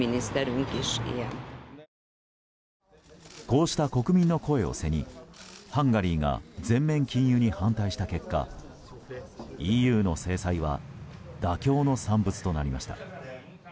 こうした国民の声を背にハンガリーが全面禁輸に反対した結果ＥＵの制裁は妥協の産物となりました。